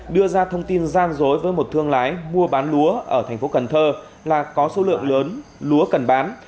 đưa ra thông tin gian dối với một thương lái mua bán lúa ở thành phố cần thơ là có số lượng lớn lúa cần bán